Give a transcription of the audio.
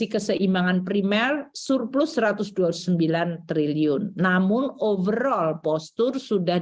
keseimbangan primer surplus satu ratus dua puluh sembilan triliun namun overall postur sudah